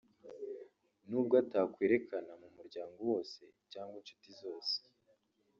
nubwo atakwerekana mu muryango wose cyangwa inshuti zose